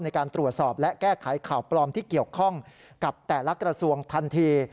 ในการตรวจสอบและแก้ไขข่าวปลอมที่เกี่ยวข้องกับแต่ละกระทรวงทันที